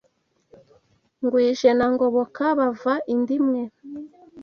Ngwije na Ngoboka bava inda imwe